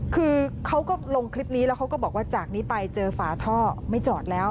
คือเขาก็ลงคลิปนี้แล้วเขาก็บอกว่าจากนี้ไปเจอฝาท่อไม่จอดแล้ว